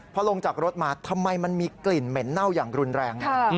พอลงจากรถมาทำไมมันมีกลิ่นเหม็นเน่าอย่างรุนแรง